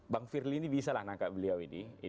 bang verly ini bisa lah menangkap beliau ini